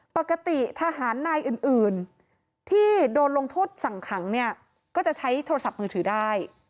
ปกติทหารนายอื่นที่โดนลงโทษสั่งขังเนี่ยก็จะใช้โทรศัพท์มือถือได้